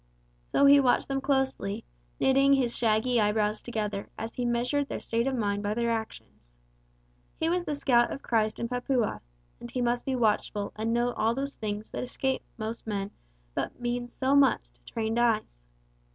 So he watched them closely, knitting his shaggy eyebrows together as he measured their state of mind by their actions. He was the Scout of Christ in Papua, and he must be watchful and note all those things that escape most men but mean so much to trained eyes.